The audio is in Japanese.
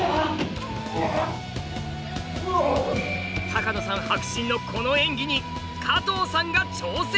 多加野さん迫真のこの演技に加藤さんが挑戦します！